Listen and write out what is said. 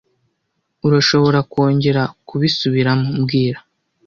Urashobora kongera kubisubiramo mbwira